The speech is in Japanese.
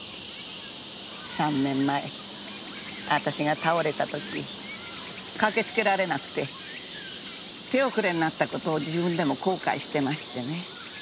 ３年前私が倒れた時駆けつけられなくて手遅れになった事を自分でも後悔してましてね。